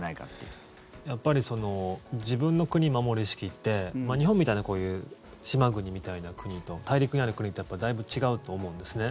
やっぱり自分の国を守る意識って日本みたいなこういう島国みたいな国と大陸にある国ってだいぶ違うと思うんですね。